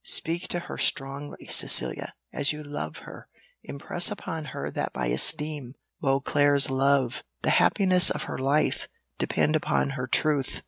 Speak to her strongly, Cecilia; as you love her, impress upon her that my esteem, Beauclerc's love, the happiness of her life, depend upon her truth!"